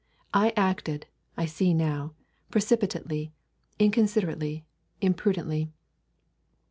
I acted, I see now, precipitately, inconsiderately, imprudently.